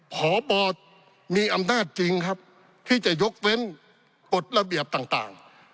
พบมีอำนาจจริงครับที่จะยกเว้นกฎระเบียบต่าง